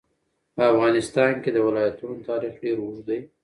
په افغانستان کې د ولایتونو تاریخ ډېر اوږد دی.